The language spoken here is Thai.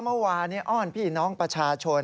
เมื่อวานอ้อนพี่น้องประชาชน